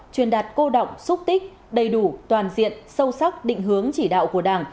truyền đạt cô động xúc tích đầy đủ toàn diện sâu sắc định hướng chỉ đạo của đảng